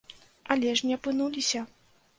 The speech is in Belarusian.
Але ж не апынуліся!